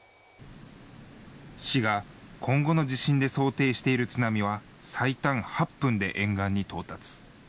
市が今後の地震で想定している津波は、最短８分で沿岸に到達。